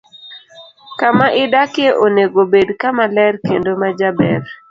Kama idakie onego obed kama ler kendo ma jaber.